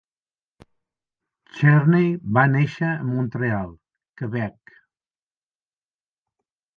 Charney va néixer a Montreal, Quebec.